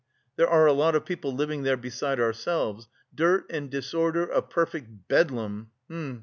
There are a lot of people living there besides ourselves. Dirt and disorder, a perfect Bedlam... hm...